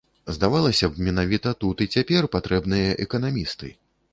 Здавалася б, менавіта тут і цяпер патрэбныя эканамісты.